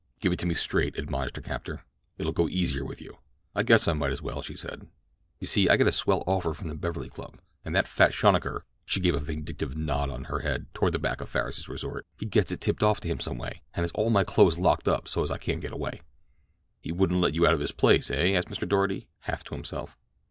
"Give it to me straight," admonished her captor. "It'll go easier with you." "I guess I might as well," she said. "You see I get a swell offer from the Beverly Club, and that fat schonacker," she gave a vindictive nod of her head toward the back of Farris's resort, "he gets it tipped off to him some way, and has all my clothes locked up so as I can't get away." "He wouldn't let you out of his place, eh?" asked Mr. Doarty, half to himself.